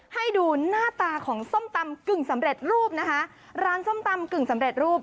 ให้ดูหน้าตาของส้มตำกึ่งสำเร็จรูปนะคะร้านส้มตำกึ่งสำเร็จรูป